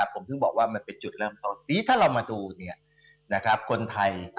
ถ้าเรามาดูคนไทย